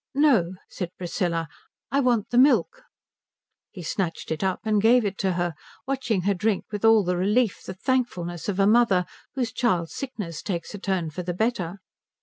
"No," said Priscilla, "I want the milk." He snatched it up and gave it to her, watching her drink with all the relief, the thankfulness of a mother whose child's sickness takes a turn for the better.